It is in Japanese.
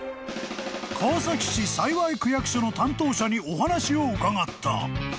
［川崎市幸区役所の担当者にお話を伺った］